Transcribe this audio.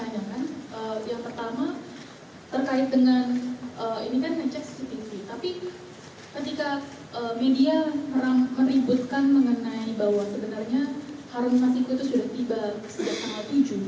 yang pertama terkait dengan ini kan ngecek cctv tapi ketika media meributkan bahwa sebenarnya harum masiku sudah tiba ke tujuh tiga puluh